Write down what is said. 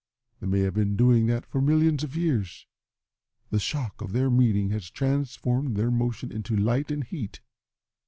They may have been doing that for millions of years. The shock of their meeting has transformed their motion into light and heat.